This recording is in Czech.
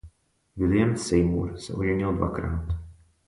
William Seymour se oženil dvakrát.